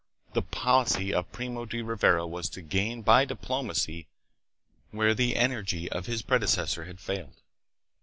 The policy of Primo de Rivera was to gain by diplomacy where the energy of his predecessor had failed.